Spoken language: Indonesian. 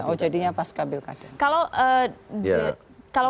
oh jadinya pasca pilkada